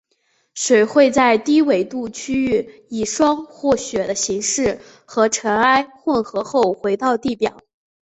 水会在低纬度区域以霜或雪的形式和尘埃混合后回到地表。